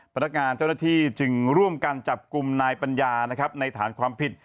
พนักงานเจ้าหน้าที่จึงร่วมกันจับกลุ่มนายปัญญานะครับในฐานความผิด